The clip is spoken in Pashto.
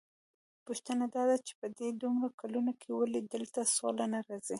پوښتنه داده چې په دې دومره کلونو کې ولې دلته سوله نه راځي؟